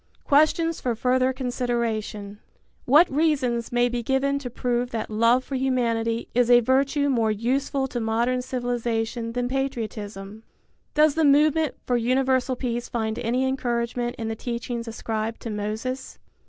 Questions for Further Consideration. What reasons may be given to prove that love for humanity is a virtue more useful to modern civilization than patriotism? Does the movement for universal peace find any encouragement in the teachings ascribed to Moses?